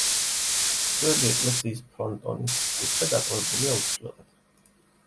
ძველი ეკლესიის ფრონტონის კუთხე დატოვებულია უცვლელად.